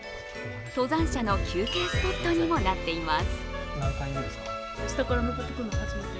登山者の休憩スポットにもなっています。